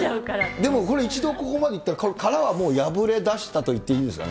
でもこれ、一度ここまでいったら、殻は破れだしたといってもいいんですかね？